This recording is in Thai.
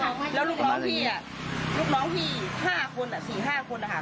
แล้วลูกน้องพี่ลูกน้องพี่๔๕คนเขากำลังจะกลับบ้านพอดี